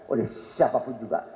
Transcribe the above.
oleh siapapun juga